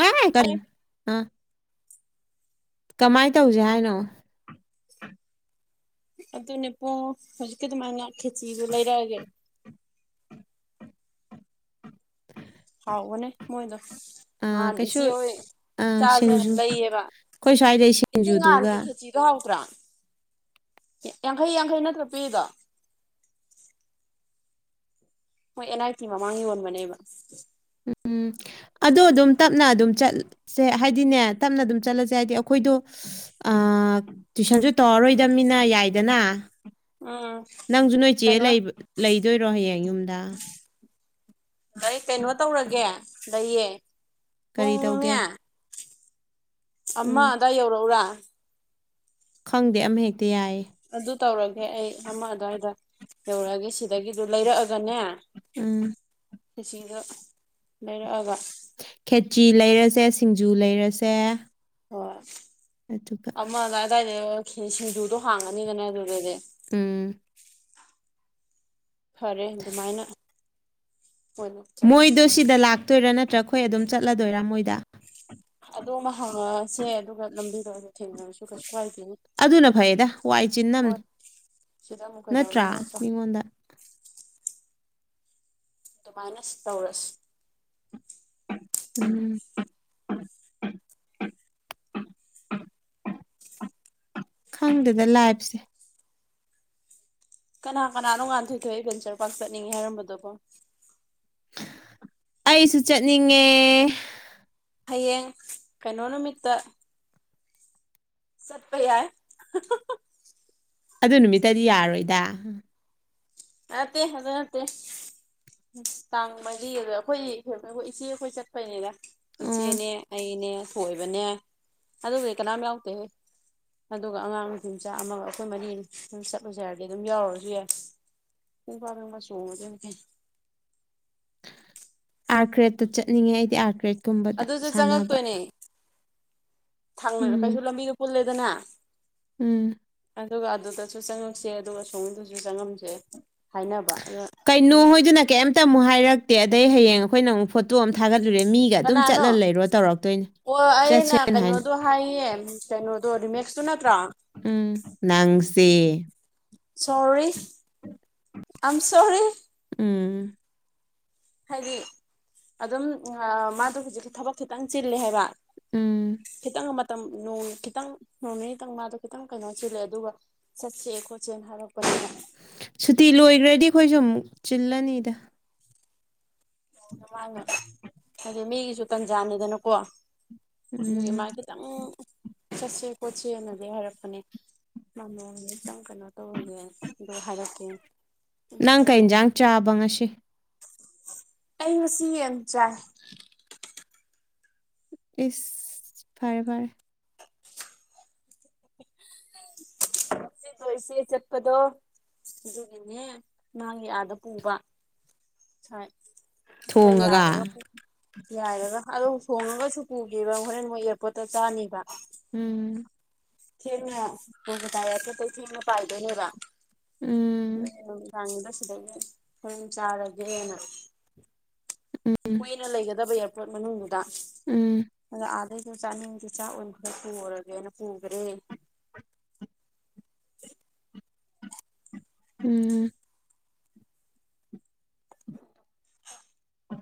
ꯑꯥ ꯀ ꯑ ꯀꯃꯥꯏꯅ ꯇꯧꯁꯦ ꯍꯥꯏꯅꯣ ꯑꯗꯨꯅꯦ ꯄꯨꯡ ꯍꯧꯖꯤꯛꯀꯤ ꯑꯗꯨꯃꯥꯏꯅ ꯈꯦꯆꯤꯗꯨ ꯂꯩꯔꯛꯑꯒꯦ ꯍꯥꯎꯕꯅꯦ ꯃꯣꯏꯗ ꯑ ꯑꯥ ꯀꯩꯁꯨ ꯏꯆꯦ ꯑꯣꯏꯣꯏ ꯑꯥ ꯆꯥꯖꯅ ꯁꯤꯡꯖꯨ ꯂꯩꯌꯦꯕ ꯑꯩꯈꯣꯏ ꯁ꯭ꯋꯥꯏꯗꯩ ꯏꯆꯦ ꯁꯤꯡꯖꯨꯗꯨꯒ ꯉꯥꯜꯂꯤꯒꯦ ꯈꯦꯆꯤꯗ ꯍꯥꯎꯗ꯭ꯔꯥ ꯌꯥꯡꯈꯩ ꯌꯥꯡꯈꯩ ꯅꯠꯇ꯭ꯔ ꯄꯤꯗ ꯍꯣꯏ ꯑꯦꯟ ꯑꯥꯏ ꯇꯤ ꯃꯃꯥꯡ ꯌꯣꯟꯕꯅꯦꯕ ꯎꯝꯝ ꯑꯗꯣ ꯑꯗꯨꯝ ꯇꯞꯅ ꯑꯗꯨꯝ ꯆꯠꯁꯦ ꯍꯥꯏꯗꯤꯅꯦ ꯇꯞꯅ ꯑꯗꯨꯝ ꯆꯠꯂꯁꯦ ꯍꯥꯏꯗꯤ ꯑꯩꯈꯣꯏꯗꯣ ꯇꯨꯏꯁꯟꯁꯨ ꯇꯧꯔꯔꯣꯏꯗꯕꯅꯤꯅ ꯌꯥꯏꯗꯅ ꯎꯝ ꯅꯪꯁꯨ ꯅꯣꯏ ꯏ ꯆꯦ ꯀꯩꯅꯣ ꯂꯩꯗꯣꯏꯔꯣ ꯍꯌꯦꯡ ꯌꯨꯝꯗ ꯑꯩ ꯀꯩꯅꯣ ꯇꯧꯔꯒꯦ ꯂꯩꯌꯦ ꯀꯔꯤ ꯇꯧꯒꯦ ꯄꯨꯡꯅꯦ ꯑꯃ ꯎꯝ ꯑꯗꯥꯏ ꯌꯧꯔꯛꯎꯔꯥ ꯈꯪꯗꯦ ꯑꯃꯍꯦꯛꯇ ꯌꯥꯏꯌꯦ ꯑꯗꯨ ꯇꯧꯔꯒꯦ ꯑꯩ ꯑꯃ ꯑꯗꯨꯋꯥꯏꯗ ꯌꯧꯔꯛꯑꯒꯦ ꯁꯤꯗꯒꯤꯗꯨ ꯂꯩꯔꯛꯑꯒꯅꯦ ꯎꯝ ꯏꯁꯤꯡꯗꯣ ꯂꯩꯔꯛꯑꯒ ꯈꯦꯆꯤ ꯂꯩꯔꯁꯦ ꯁꯤꯡꯖꯨ ꯂꯩꯔꯁꯦ ꯑꯣ ꯑꯗꯨꯒ ꯁꯤꯡꯖꯨꯗꯣ ꯍꯥꯡꯉꯅꯤꯗꯅꯦ ꯑꯗꯨꯗꯗꯤ ꯎꯝ ꯐꯔꯦ ꯑꯗꯨꯃꯥꯏꯅ ꯑꯣꯏꯅ ꯆꯠꯂꯁꯦ ꯃꯣꯏꯗꯣ ꯑꯗꯨꯅ ꯁꯤꯗ ꯂꯥꯛꯇꯣꯏꯔꯥ ꯅꯠꯇ꯭ꯔꯥ ꯑꯩꯈꯣꯏ ꯑꯗꯨꯝ ꯆꯠꯂꯗꯣꯏꯔꯥ ꯃꯣꯏꯗ ꯑꯗꯣꯝ ꯑꯃ ꯍꯥꯡꯉꯛꯑꯁꯦ ꯑꯗꯨꯒ ꯂꯝꯕꯤꯗꯣ ꯊꯦꯡꯅꯔꯁꯨ ꯀꯩꯁꯨꯥꯏꯗꯦ ꯑꯗꯨꯅ ꯐꯩꯌꯦꯗ ꯋꯥꯏ ꯆꯤꯝꯅꯤ ꯁꯤꯗ ꯑꯃꯨꯛ ꯅꯠꯇ꯭ꯔꯥ ꯀꯩꯗꯧꯅꯤ ꯅꯠꯇ꯭ꯔꯣ ꯃꯤꯉꯣꯟꯗ ꯑꯗꯨꯃꯥꯏꯅ ꯇꯧꯔꯁꯤ ꯎꯝ ꯈꯪꯗꯦꯗ ꯂꯥꯏꯕꯁꯦ ꯀꯅꯥ ꯀꯅꯥꯅꯣꯉꯥꯟꯊꯣꯏꯗꯣꯛ ꯑꯩ ꯕꯦꯟ ꯆꯔꯨꯄ ꯆꯠꯅꯤꯡꯉꯦ ꯍꯥꯏꯔꯝꯕꯗꯀꯣ ꯑꯩꯁꯨ ꯆꯠꯅꯤꯡꯉꯦ ꯍꯌꯦꯡ ꯀꯩꯅꯣ ꯅꯨꯃꯤꯠꯇ ꯁꯠꯄꯌꯥ ꯑꯗꯨ ꯅꯨꯃꯤꯠꯇꯗꯤ ꯌꯥꯔꯣꯏꯗ ꯑ ꯇꯦ ꯑꯠꯇꯦ ꯎ ꯇꯥꯡ ꯃꯔꯤ ꯑꯗꯨ ꯑꯩꯈꯣꯏꯈ ꯏꯆꯦ ꯑꯩꯈꯣꯏ ꯆꯠꯄꯩꯅꯤꯅ ꯏꯆꯦꯅꯦ ꯑꯩꯅꯦ ꯊꯣꯏꯕꯅꯦ ꯑꯗꯨꯕꯨꯗꯤ ꯀꯅꯥꯝ ꯌꯥꯎꯗꯦ ꯑꯗꯨꯒ ꯑꯉꯥꯡ ꯅꯨꯄꯤ ꯃꯆꯥ ꯑꯃꯒ ꯑꯩꯈꯣꯏ ꯃꯔꯤ ꯑꯗꯨꯝ ꯆꯠꯂꯨꯁꯦ ꯍꯥꯏꯔꯗꯤ ꯑꯗꯨꯝ ꯌꯥꯎꯔꯨꯔꯁꯨ ꯌꯥꯏ ꯎꯨꯡ ꯐ ꯃꯥ ꯁꯣꯗꯦ ꯀ ꯑꯥꯔꯀ꯭ꯔꯦꯗꯇ ꯆꯠꯅꯤꯡꯉꯦ ꯑꯩꯗꯤ ꯑꯥꯔꯀ꯭ꯔꯦꯠꯀꯨꯝꯕꯗ ꯑꯗꯨꯁꯨ ꯁꯥꯟꯅꯕ ꯊꯥꯡꯅꯔ ꯎꯝ ꯀꯩꯁꯨ ꯂꯝꯕꯤꯗꯣ ꯄꯨꯜꯂꯦꯗꯅ ꯎꯝ ꯑꯗꯨꯒ ꯑꯗꯨꯗꯁꯨ ꯆꯪꯉꯛꯁꯦ ꯑꯗꯨꯒ ꯁꯣꯃꯤꯗꯨꯁꯨ ꯆꯪꯉꯝꯁꯦ ꯍꯥꯏꯅꯕ ꯑꯗ ꯀꯩꯅꯣ ꯍꯣꯏꯗꯅ ꯀꯩꯝꯇ ꯑꯃꯨꯛ ꯍꯥꯏꯔꯛꯇꯦ ꯑꯗꯩ ꯍꯌꯦꯡ ꯑꯩꯈꯣꯏꯅ ꯑꯃꯨꯛ ꯐꯣꯇꯣ ꯑꯃ ꯊꯥꯒꯠꯂ ꯑꯗꯨ ꯑꯗꯨꯨꯔꯦ ꯃꯤꯒ ꯑꯗꯨꯝ ꯀꯅꯥꯅꯣ ꯆꯠꯂ ꯂꯩꯔꯣ ꯇꯧꯔꯛꯇꯣꯏꯅꯦ ꯑꯣ ꯑꯩꯅ ꯆꯠꯁꯦꯅ ꯍꯥꯏꯅ ꯃꯦꯛꯁꯁꯨꯅ ꯎꯝ ꯅꯪꯁꯦ ꯁꯣꯔꯤ ꯑꯝ ꯁꯣꯔꯤ ꯎꯝ ꯍꯥꯏꯗꯤ ꯑꯗꯨꯝ ꯃꯥꯗꯣ ꯍꯧꯖꯤꯛ ꯊꯕꯛ ꯈꯤꯇꯪ ꯆꯤꯂꯦ ꯍꯥꯏꯕ ꯎꯝ ꯈꯤꯇꯪ ꯃ ꯈꯤꯇꯪ ꯅꯣꯡ ꯅꯤꯅꯤꯇꯪ ꯃꯥꯗꯣ ꯈꯤꯇꯪ ꯀꯩꯅꯣ ꯆꯤꯜꯂꯦ ꯑꯗꯨꯒ ꯆꯠꯁꯦ ꯈꯣꯠꯁꯦꯅ ꯍꯥꯏꯔꯛꯄꯁꯤꯅ ꯁꯨꯇꯤ ꯂꯣꯏꯈ꯭ꯔꯗꯤ ꯑꯩꯈꯣꯏꯁꯨ ꯑꯃꯨꯛ ꯆꯤꯜꯂꯅꯤꯗ ꯃꯥꯡꯉ ꯍꯥꯏꯗꯤ ꯃꯤꯒꯤꯁꯨ ꯇꯟꯖꯥꯅꯤꯗꯅꯀꯣ ꯑꯗꯨꯒꯤ ꯃꯥ ꯎꯝ ꯈꯤꯇꯪ ꯆꯠꯁꯦ ꯈꯣꯠꯁꯦꯅꯗꯤ ꯍꯥꯏꯔꯛꯄꯅꯦ ꯃꯃꯣ ꯑꯃꯇꯪ ꯀꯩꯅꯣ ꯇꯧꯔꯒꯦ ꯑꯗꯣ ꯍꯥꯏꯔꯛꯀꯦ ꯅꯪ ꯍꯥꯏꯔꯛꯑꯣ ꯀꯟꯖꯥꯡ ꯍꯥꯏ ꯆꯥꯕ ꯉꯁꯤ ꯑꯩꯕꯨ ꯁꯤꯟꯟ ꯆꯥꯏ ꯏ ꯐꯔꯦ ꯐꯔꯦ [inaudible] ꯆꯗꯣ ꯏꯆꯦ ꯆꯠꯄꯗꯣ ꯑꯗꯨꯒꯤꯅꯦ ꯃꯥꯒꯤ ꯑꯥꯗ ꯄꯨꯕ ꯁ꯭ ꯈꯔ ꯌꯥꯏꯔꯒ ꯊꯣꯡꯉꯒ ꯌꯥꯏꯔꯒ ꯑꯗꯣ ꯁꯣꯡꯉꯒꯁꯨ ꯄꯨꯒꯦꯕ ꯍꯣꯔꯦꯟ ꯃꯣꯏ ꯑꯦꯌꯥꯔꯄꯣꯔꯠꯇ ꯆꯥꯅꯤꯕ ꯎꯝ ꯊꯅꯗꯥꯈ ꯀ ꯊꯤꯅ ꯄꯥꯏꯗꯅꯦꯕ ꯎꯝ ꯗꯥꯡꯉꯤꯕ ꯁꯤꯗꯒꯤ ꯍꯝ ꯆꯥꯔꯒꯦꯅ ꯎꯝ ꯀꯨꯏꯅ ꯂꯩꯒꯗꯕ ꯏꯌꯥꯔꯄꯣꯔꯠ ꯃꯅꯨꯡꯗꯨꯗ ꯎꯝ ꯑꯗ ꯑꯥꯗꯩ ꯑꯗꯨ ꯆꯥꯅꯤꯡꯗꯨ ꯆꯥꯛ ꯄꯨꯔꯒꯦꯅ ꯄꯨ ꯔꯦꯌ ꯎꯝ ꯎ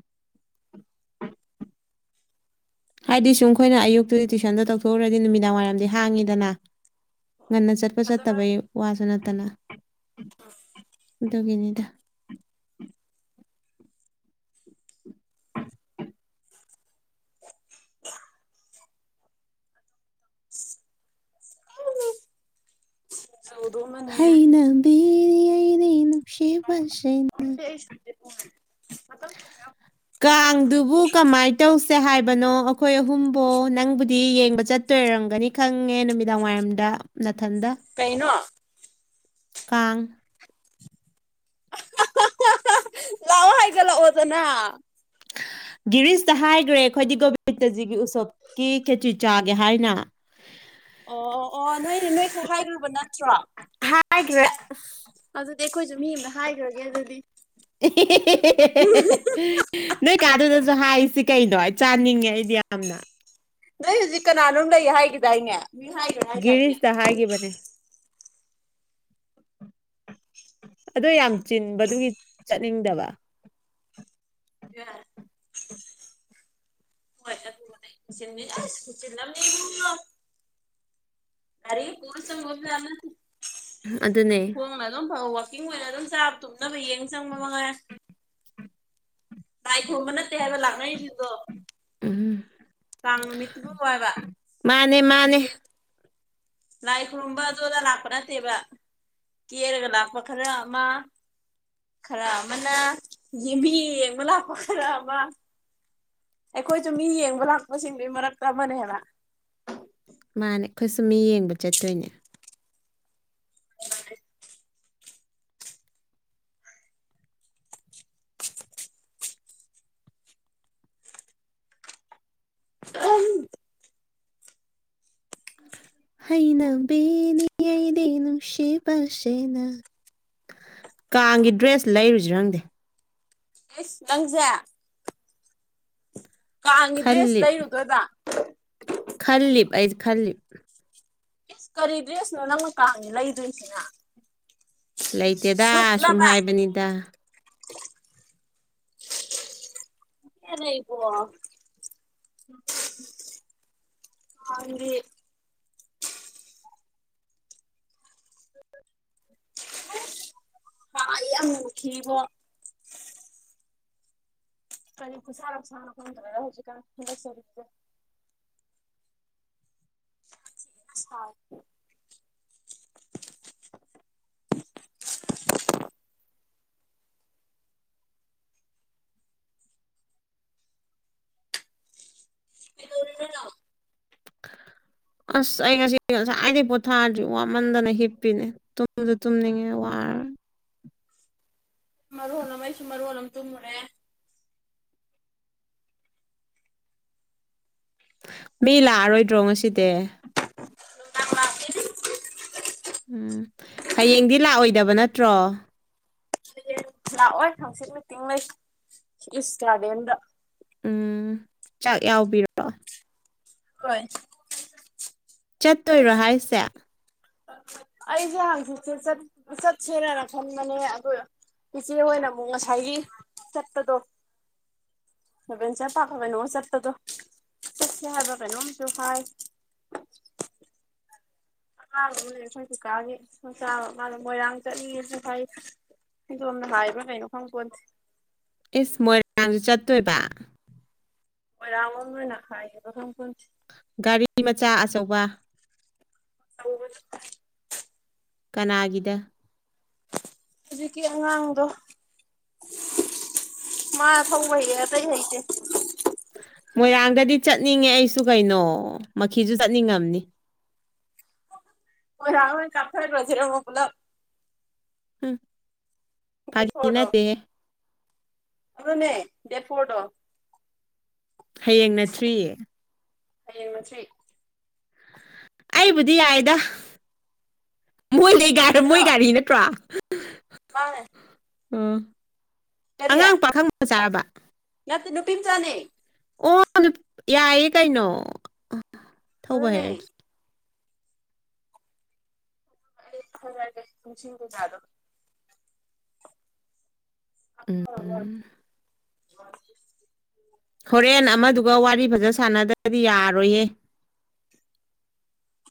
ꯍꯥꯏꯗꯤ ꯁꯨꯝ ꯑꯩꯈꯣꯏꯅ ꯑꯌꯨꯛꯇꯨꯗꯤ ꯇꯨꯏꯁꯟꯗ ꯇꯧꯊꯣꯛꯎꯨꯔꯗꯤ ꯅꯨꯃꯤꯗꯥꯡ ꯋꯥꯏꯔꯝꯗꯤ ꯍꯥꯡꯉꯤꯗꯅ ꯉꯟꯅ ꯆꯠꯄ ꯑꯗꯨꯅ ꯆꯠꯇꯕꯩ ꯋꯥꯁꯨ ꯅꯠꯇꯅ ꯎꯗ ꯀꯅꯤꯗ ꯆꯧꯗ ꯃꯅꯦ ꯔꯤ ꯑꯥꯏꯔꯤꯅ ꯁꯦꯕꯁꯦꯅ ꯍꯨꯡ ꯀꯥꯡꯗꯨꯕꯨ ꯀꯃꯥꯏ ꯇꯧꯁꯤ ꯁꯦ ꯍꯥꯏꯕꯅꯣ ꯑꯩꯈꯣꯏ ꯑꯍꯨꯝꯕꯨꯣ ꯅꯪꯕꯨꯗꯤ ꯌꯦꯡꯕ ꯆꯠꯇꯣꯏꯔꯝꯒꯅꯤ ꯈꯪꯉꯦ ꯅꯨꯃꯤꯗꯥꯡ ꯋꯥꯏꯔꯝꯗ ꯅꯊꯟꯗ ꯀꯩꯅꯩꯅꯣ ꯀꯥꯡ ꯂ ꯑꯣꯗꯅ ꯎ ꯒꯤꯔꯤꯁꯇ ꯍꯥꯏꯈ꯭ꯔꯦ ꯑꯩꯈꯣꯏꯗꯤ ꯒꯣꯕꯤꯟꯗꯖꯤꯒꯤ ꯎꯁꯣꯞꯀꯤ ꯈꯦꯇ꯭ꯔꯤ ꯆꯥꯒꯦ ꯍꯥꯏꯅ ꯑꯣ ꯑꯣ ꯑꯣ ꯅꯣꯏ ꯅꯣꯏꯁꯨ ꯍꯥꯏꯔꯨꯕ ꯅꯠꯇ꯭ꯔꯣ ꯍꯥꯏ꯭ꯔ ꯑꯗꯨꯗꯤ ꯑꯩꯈꯣꯏꯁꯨ ꯃꯤ ꯑꯃꯗ ꯍꯥꯏꯈ꯭ꯔꯒꯦ ꯑꯗꯨꯗꯤ ꯅ ꯀꯥꯗꯗ ꯍꯥꯏꯁꯤ ꯀꯩꯅꯣ ꯑꯩ ꯆꯥꯅꯤꯡꯉꯦ ꯑꯩꯗꯤ ꯌꯥꯝꯅ ꯅꯣꯏ ꯍꯧꯖꯤꯛ ꯀꯅꯥꯅꯣ ꯂꯩ ꯍꯥꯏꯒꯦꯗ ꯍꯥꯏꯅꯦ ꯒꯤꯔꯤꯁꯇ ꯍꯥꯏꯈꯤꯕꯅꯦ ꯑꯣ ꯌꯥꯝ ꯆꯤꯟꯕꯗꯨꯒꯤ ꯆꯠꯅꯤꯡꯗꯕ ꯌꯥꯔ ꯁꯤꯃꯤ ꯑꯔꯦ ꯄꯁꯅ ꯑꯗꯨꯅꯦ ꯍꯗꯣ ꯐꯥꯎ ꯀꯀꯤꯡ ꯑꯣꯏꯅ ꯑꯗꯨꯝ ꯆꯥꯕ ꯇꯨꯝꯅꯕ ꯌꯦꯡ ꯆꯪꯕ ꯃꯉ ꯊꯨꯝꯕ ꯅꯠꯇꯦ ꯍꯥꯏꯕ ꯂꯥꯛꯅꯩꯁꯤꯗꯣ ꯎꯝ ꯇꯥꯡꯉ ꯃꯠꯇꯕꯨ ꯋꯥꯕ ꯃꯥꯅꯦ ꯃꯥꯅꯦ ꯌꯦ ꯂꯥꯏ ꯈꯨ ꯔꯝꯕ ꯑꯖꯣꯗ ꯂꯥꯛꯄ꯭ꯔ ꯇꯕ ꯀꯔꯒꯅꯥꯥꯛꯄ ꯈꯔ ꯑ ꯈꯔ ꯑꯃꯅ ꯌꯦꯡꯕꯤ ꯌꯦꯡꯕ ꯂꯥꯛꯞꯄ ꯈꯔ ꯑꯃ ꯑꯩꯈꯣꯏꯁꯨ ꯃꯤ ꯌꯦꯡꯕ ꯂꯥꯛꯄꯁꯤꯡꯗꯨꯒꯤ ꯃꯔꯛꯇ ꯑꯃꯅꯦꯕ ꯃꯥꯅꯦ ꯑꯩꯈꯣꯏ ꯁꯨꯝ ꯃꯤ ꯌꯦꯡꯕ ꯆꯠꯇꯣꯏꯅꯦ ꯍꯦ ꯑ ꯎ ꯍꯩꯅꯕꯅꯤ ꯑꯏꯗꯦꯩꯅꯨꯁ꯭ꯦ ꯄꯁꯦꯅ ꯀꯥꯡꯒꯤ ꯗ꯭ꯔꯦꯁ ꯂꯩꯔꯨꯁꯤꯔꯪꯗꯦ ꯑꯦꯁ ꯂꯪꯖꯦ ꯀꯥꯡꯒꯤ ꯗ꯭ꯔꯦꯁ ꯂꯩꯔꯨꯗ꯭ꯔꯣꯏꯗ ꯈꯜꯂꯤꯞ ꯑꯩꯗꯤ ꯈꯜꯂꯤꯞ ꯑꯦ ꯀꯔꯤ ꯗ꯭ꯔꯦꯁꯅꯣ ꯅꯪꯅꯀꯥꯅꯤ ꯂꯩꯗꯣꯏꯁꯤꯅ ꯂꯩꯇꯦꯗ ꯁꯨꯝ ꯁꯨꯠꯂꯕ ꯍꯥꯏꯕꯅꯤꯗ ꯑꯦꯟꯅ ꯏ ꯄ ꯑꯦ ꯑ ꯌꯥꯝ ꯃꯨꯈꯤꯕꯔꯤꯕꯣ ꯀꯔꯤ ꯁꯔ ꯁꯅ ꯐꯟ ꯇꯧꯔ ꯍꯧꯖꯤ ꯀ ꯍ ꯁ ꯍꯣꯏ ꯀꯩꯗꯧꯔꯤꯅꯣ ꯅꯪ ꯑꯁ ꯑꯩ ꯉꯁꯤ ꯉꯁꯥꯏꯗꯒꯤꯩ ꯄꯣꯊꯥꯔꯗ꯭ꯗꯤ ꯋꯥꯃꯟꯗꯅ ꯍꯤꯞꯄꯤꯅꯦ ꯇꯨꯝꯁꯨ ꯇꯨꯝꯅꯤꯡꯉꯦ ꯋꯥ ꯎꯝ ꯃꯔꯨ ꯍꯝ ꯑꯩꯁꯨ ꯃꯔꯨ ꯍꯣꯟꯅꯝ ꯇꯨꯝꯃꯨꯔꯦ ꯃꯤ ꯂꯥꯛꯑꯔꯣꯏꯗ꯭ꯔꯣ ꯉꯁꯤꯗꯤ ꯅꯨꯡꯗꯥꯡ ꯂꯥꯛꯀꯦ ꯎꯝ ꯍꯌꯦꯡꯗꯤ ꯂꯥꯛꯑꯣꯏꯗꯕ ꯅꯠꯇ꯭ꯔꯣ ꯍꯌꯦꯡ ꯂꯥꯛꯑꯣꯏ ꯊꯪꯆꯠ ꯃꯤꯇꯤꯡ ꯂꯩꯩ ꯏꯁ ꯒꯥꯔꯗꯦꯟꯗ ꯎꯝ ꯆꯥꯛ ꯌꯥꯎꯕꯤꯔꯣ ꯍꯣꯏ ꯆꯠꯇꯣꯏꯔꯣ ꯍꯥꯏꯁꯦ ꯑꯩꯁꯦ ꯍꯥꯡꯁꯤꯁꯦ ꯁꯠ ꯁꯠꯁꯅꯅ ꯈꯪ ꯃꯅꯦ ꯏꯆꯦ ꯍꯣꯏ ꯑꯣꯏꯅ ꯑꯃꯨꯛ ꯉꯁꯥꯏꯒꯤ ꯆꯠꯄꯗꯣ ꯕꯦꯟ ꯆꯦ ꯄꯥ ꯀꯕꯦꯟ ꯍ ꯆꯦꯠꯇꯗꯨꯣ ꯍꯥꯏꯕ ꯀꯩꯅꯣ ꯇ ꯐꯥꯏ ꯑꯥꯕ ꯑꯃꯅꯦ ꯑꯩꯈꯣꯏ ꯨꯀꯥꯒꯤ ꯁꯣ ꯆꯥꯕ ꯃꯥꯗ ꯃꯣꯏꯔꯥꯡ ꯆꯠꯂꯤ ꯍꯥꯏꯩ ꯑꯅ ꯍꯥꯏꯥꯏ ꯄ ꯀꯩꯅ ꯈꯪ ꯀꯣꯟ ꯏꯁ ꯃꯣꯏꯔꯥꯡꯥꯡꯁꯨ ꯆꯠꯇꯣꯏꯕ ꯑꯣꯔꯉꯣꯟꯅ ꯈꯥꯏꯦꯊꯣꯟ ꯒꯥꯔꯤ ꯃꯆꯥ ꯑꯆꯧꯕ [inaudible] ꯀꯅꯥꯒꯗ ꯍꯧꯖꯤꯛꯀꯤ ꯑꯉꯥꯡꯗ ꯃꯥ ꯊꯧꯕ ꯍꯌꯦ ꯑꯇꯩ ꯍꯩꯇꯦ ꯃꯣꯏꯔꯥꯡꯗꯗꯤ ꯆꯠꯅꯤꯡꯉꯦ ꯑꯩꯁꯨ ꯀꯩꯅꯣ ꯃꯈꯤꯁꯨ ꯆꯠꯅꯤꯡꯉꯝꯅꯤ [inaudible] ꯀꯄ ꯔꯖꯔꯦꯣ ꯄꯨꯂꯞ ꯎꯝ ꯗꯦꯁ ꯐꯣꯣ ꯑꯗꯨꯅꯦ ꯗꯦꯠ ꯐꯣꯣ ꯍꯌꯦꯡ ꯅꯠꯇ꯭ꯔꯤꯌꯦ ꯑꯩ ꯃꯆꯦ ꯑꯩꯕꯨꯗꯤ ꯌꯥꯏꯗ ꯃꯣꯂꯗ ꯆꯠꯁꯤꯔꯣ ꯃꯣꯏꯒꯥꯔꯤ ꯅꯠꯇ꯭ꯔꯣ ꯃꯥꯅꯦ ꯎꯝ ꯑꯉꯥꯡ ꯄꯥꯈꯪꯕ ꯆꯥꯔꯕ ꯅ ꯅꯨ ꯄꯝꯖꯅꯤ ꯑꯣ ꯌꯥꯏꯌꯦ ꯀꯩꯅꯣ ꯊꯧꯕ ꯑꯗꯨꯅꯦ ꯍꯥꯏꯔꯒꯦ ꯐꯖꯁꯤꯖꯗꯣ ꯑꯣ ꯋꯥ ꯎꯝ ꯍꯣꯔꯦꯟ ꯑꯃꯗꯨꯒ ꯋꯥꯔꯤ ꯐꯖ ꯁꯥꯟꯅꯗꯕꯗꯤ ꯌꯥꯔꯣꯏꯍꯦ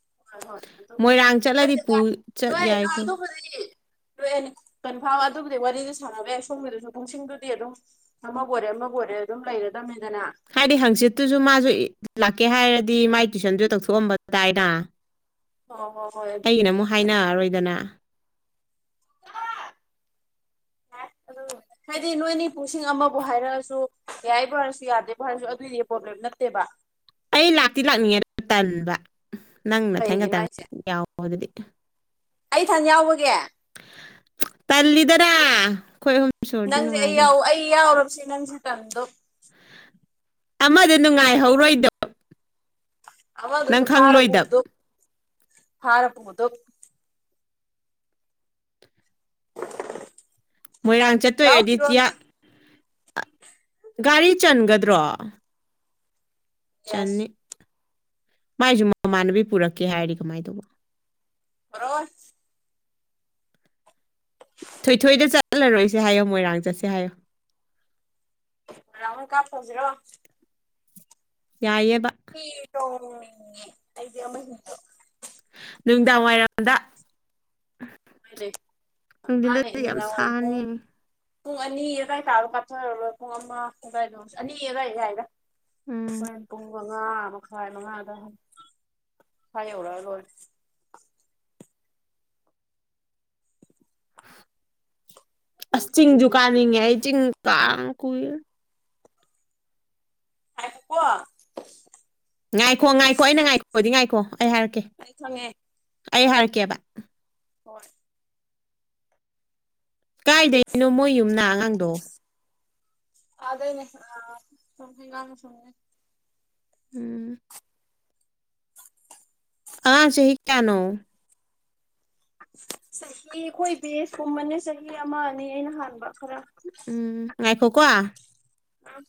ꯍꯣꯏ ꯍꯣꯏ ꯃꯣꯏꯔꯥꯡ ꯆꯠꯂꯗꯤ ꯄꯨ ꯐ ꯆꯠ ꯅ ꯌꯥꯏ ꯅ ꯅ ꯑꯩꯈꯣꯏ ꯑꯗꯨ ꯐ ꯂꯣꯛꯑꯦꯅꯤ ꯀꯟ ꯐꯥꯝ ꯑꯗꯨꯕꯨꯗꯤ ꯋꯥꯔꯤꯗꯤ ꯁꯥꯟꯅꯕ ꯌꯥꯏ ꯁꯣꯝꯒꯤꯗꯨꯁꯨ ꯄꯨꯡꯁꯤꯡꯗꯨꯗꯤ ꯑꯗꯨꯝ ꯑꯃꯕꯨ ꯑꯣꯏꯔꯦ ꯑꯃꯕꯨ ꯑꯗꯨꯝ ꯂꯩꯝ ꯍꯥꯏꯗꯤ ꯍꯪꯆꯤꯠꯇꯨꯁꯨ ꯃꯥꯁꯨ ꯂꯥꯛꯀꯦ ꯍꯥꯏꯔꯗꯤ ꯃꯥꯏ ꯇꯨꯏꯁꯟꯗꯨ ꯇꯛꯊꯣꯛꯑꯝꯕ ꯇꯥꯏꯅ ꯍꯣꯏ ꯍꯣꯏ ꯍꯣꯏ ꯑꯩꯒꯤꯅ ꯑꯗꯨꯕꯨꯗꯤ ꯑꯃꯨꯛ ꯍꯥꯏꯅꯑꯔꯣꯏꯗꯅ ꯑꯗꯨ [unintelligible] ꯍꯥꯏꯗꯤ ꯅꯣꯏꯅꯤꯄꯨꯁꯤꯡ ꯑꯃꯕꯨ ꯍꯥꯏꯔꯑꯁꯨ ꯌꯥꯏꯕꯨ ꯍꯥꯏꯔꯁꯨ ꯌꯥꯗꯦꯕꯨ ꯍꯥꯏꯔꯁꯨ ꯑꯗꯨꯏꯗꯤ ꯄ꯭ꯔꯣꯕ꯭ꯂꯦꯝ ꯅꯠꯇꯦꯕ ꯑꯩ ꯂꯥꯛꯇꯤ ꯂꯥꯛꯅꯤꯡꯉꯦ ꯇꯟꯕ ꯅꯪ ꯃꯊꯪ ꯀꯩꯒꯤꯅꯣ ꯈꯇꯪ ꯍꯥꯏꯁꯦ ꯌꯥꯎꯑꯣ ꯑꯗꯨꯗꯤ ꯑꯩ ꯏꯊꯟ ꯌꯥꯎꯕꯒꯤ ꯇꯜꯂꯤꯗꯔ ꯏꯁ ꯑꯩꯈꯣꯏ ꯑꯍꯨꯝ ꯁꯨꯔꯗꯤ ꯅꯨꯡꯉꯥꯏꯗꯅ ꯀꯗ ꯑꯃꯗ ꯅꯨꯡꯉꯥꯏꯍꯧꯔꯣꯏꯗꯣ ꯑꯋꯥ ꯑꯗꯨꯁꯨ ꯈꯪꯂꯣꯏꯗꯕ ꯐꯥꯔꯄꯗꯣ ꯐꯥꯔꯄꯗꯣ ꯃꯣꯏꯔꯥꯡ ꯂꯥꯎ ꯐꯤꯔꯣꯟ ꯆꯠꯇꯣꯏꯦꯗꯤꯇꯤꯌꯥ ꯒꯥꯔꯤ ꯆꯟꯒꯗ꯭ꯔꯣ ꯌꯦꯁ ꯆꯅꯤ ꯃꯥꯏꯁꯨ ꯃꯃꯥꯟꯅꯕꯤ ꯄꯨꯔꯛꯀꯦ ꯍꯥꯏꯔꯤ ꯀꯃꯥꯏꯅ ꯇꯧꯕ ꯔꯣꯕꯔ ꯊꯣꯏꯊꯣꯏꯗ ꯆꯠꯂꯔꯣꯏꯁꯦ ꯍꯥꯏꯌꯣ ꯃꯣꯏꯔꯥꯡ ꯆꯠꯁꯦ ꯍꯥꯏꯌꯣ ꯌꯥꯟ ꯀꯥꯄꯖ꯭ꯔꯣ ꯌꯥꯏꯕ ꯗꯤ ꯍ ꯅꯨꯡꯗꯥꯡ ꯋꯥꯏꯔꯝꯗ ꯍꯣꯏꯅꯦ ꯃꯥꯅꯦ ꯅꯨꯡꯗꯤꯤꯟꯗꯗꯤ ꯌꯥꯝ ꯅꯨꯡꯗꯥꯡ ꯋꯥꯏꯔꯝ ꯄꯨꯡ ꯁꯥꯅꯤ ꯄꯨꯡ ꯑꯅꯤ ꯑꯗꯥꯏ ꯇꯥꯔꯣ ꯀꯥꯞꯆꯔꯔꯣꯏ ꯄꯨꯡ ꯑꯃ ꯀꯗꯥꯏꯗꯣ ꯑꯅꯤ ꯑꯏ ꯀꯏꯗ ꯁ ꯎꯝ ꯇꯨꯡ ꯃꯉꯥ ꯃꯈꯥꯏ ꯃꯉꯥꯗ ꯈꯋꯥ ꯌꯧꯔꯛꯑ ꯂꯣꯏꯔꯦ ꯑꯁ ꯆꯤꯡꯤꯡ ꯨꯀꯥꯅꯤ ꯆꯤꯡ ꯀꯥ ꯀꯏ ꯍꯥꯏꯀꯋꯥ ꯉꯥꯏꯈꯣ ꯉꯥꯏꯈꯣ ꯑꯩꯅ ꯉꯥꯏꯈꯣꯗꯤ ꯉꯥꯏꯈꯣ ꯑꯩ ꯍꯥꯏꯔꯛꯀꯦ ꯑꯩ ꯈꯪꯉꯦ ꯑꯩ ꯍꯥꯏꯔꯛꯀꯦꯕ ꯍꯣꯏ ꯀꯥꯏꯗꯅꯣ ꯃꯣꯏ ꯌꯨꯝꯅꯥ ꯑꯉꯥꯡꯗꯣ ꯑꯗꯅꯦ ꯑ ꯁꯃꯦ ꯉꯅ ꯁꯦ ꯎꯝ ꯑ ꯆꯍꯤ ꯍ ꯀꯩꯅꯣ ꯆꯍꯤ ꯑꯩꯈꯣꯏ ꯕꯦꯁꯀꯨꯝꯕꯅꯦ ꯆꯍꯤ ꯑꯃ ꯑꯅꯤ ꯑꯩꯅ ꯍꯥꯟꯕ ꯈꯔ ꯎꯝ ꯉꯥꯏ ꯐ ꯀꯋꯥ ꯑ